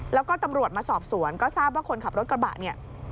แล้วก็ตำรวจมาสอบสวนก็ทราบว่าคนขับรถกระบะเนี่ย